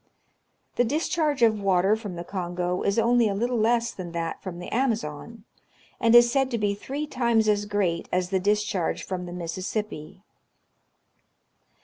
The discharge of water from the Kongo is only a little less than that from the Amazon, and is said to be three times as great as the discharge from the Mississippi.